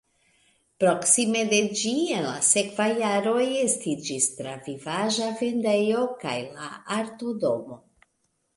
Proksime de ĝi en la sekvaj jaroj estiĝis travivaĵa vendejo kaj la Arto-domo.